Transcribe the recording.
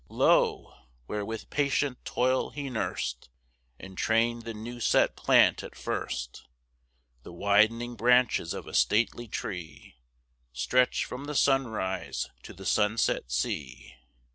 Lo! where with patient toil he nursed And trained the new set plant at first, The widening branches of a stately tree Stretch from the sunrise to the sunset sea.